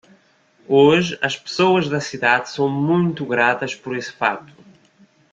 Hoje, as pessoas da cidade são muito gratas por esse fato.